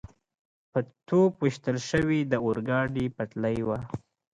په توپ ویشتل شوې د اورګاډي پټلۍ وه.